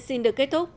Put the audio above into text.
xin được kết thúc